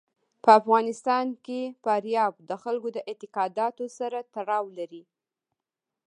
په افغانستان کې فاریاب د خلکو د اعتقاداتو سره تړاو لري.